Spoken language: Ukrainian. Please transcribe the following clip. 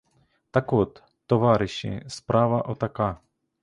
Так от, товариші, справа отака.